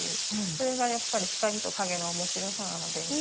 それが光と影の面白さなので。